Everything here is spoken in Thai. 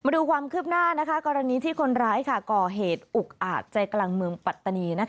ดูความคืบหน้ากรณีที่คนร้ายก่อเหตุอุกอาจใจกลางเมืองปัตตานี